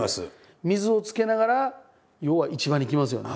水をつけながら要は市場に来ますよね。